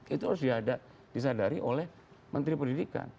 itu harus diada disadari oleh menteri pendidikan